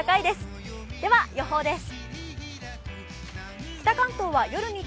では、予報です。